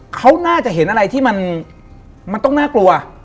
เขาน่าจะเห็นอะไรที่มันต้องน่ากลัว